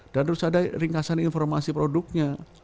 dan terus ada ringkasan informasi produknya